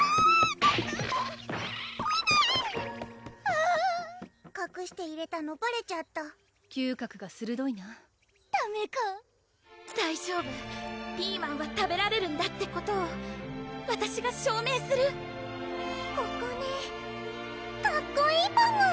あぁかくして入れたのばれちゃった嗅覚がするどいなダメか大丈夫ピーマンは食べられるんだってことをわたしが証明するここねかっこいいパム！